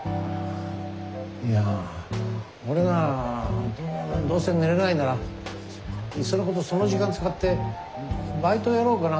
いや俺はどうせ寝れないならいっそのことその時間使ってバイトやろうかなと思ってんの。